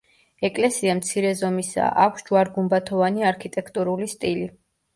ეკლესია მცირე ზომისაა, აქვს ჯვარ-გუმბათოვანი არქიტექტურული სტილი.